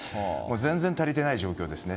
全然足りていない状況ですね。